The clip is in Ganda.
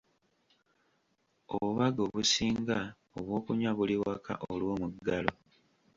Obubaga obusinga obw'okunywa buli waka olw'omuggalo.